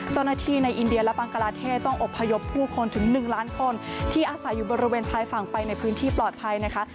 เจ้าหน้าที่ในอินเดียและบังกลาเทศต้องอบพยพผู้คนถึง๑ล้านคนที่อาศัยอยู่บริเวณชายฝั่งไปในพื้นที่ปลอดภัยนะคะ